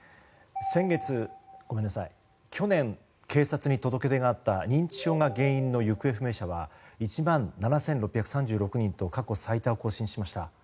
去年、警察に届け出があった認知症が原因の行方不明者は１万７６３６人と過去最多を更新しました。